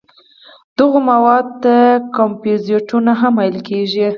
دغو موادو ته کمپوزېټونه هم ویل کېږي.